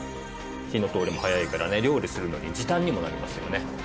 火の通りも早いからね料理するのに時短にもなりますよね。